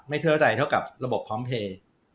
เท่าใจเท่ากับระบบพร้อมเพลย์